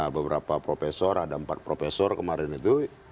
beberapa profesor ada empat profesor kemarin itu